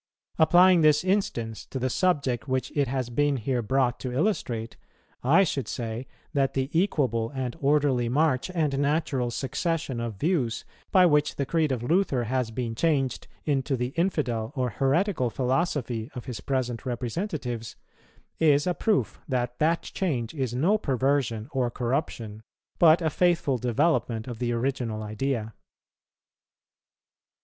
Applying this instance to the subject which it has been here brought to illustrate, I should say that the equable and orderly march and natural succession of views, by which the creed of Luther has been changed into the infidel or heretical philosophy of his present representatives, is a proof that that change is no perversion or corruption, but a faithful development of the original idea.